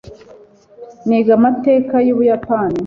niga amateka yubuyapani